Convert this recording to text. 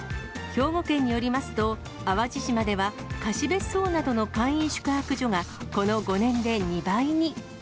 兵庫県によりますと、淡路島では、貸別荘などの簡易宿泊所がこの５年で２倍に。